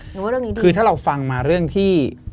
หรือว่าเรื่องนี้ด้วยคือถ้าเราฟังมาเรื่องที่